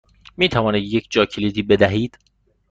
می توانید یک جاکلیدی بدهید؟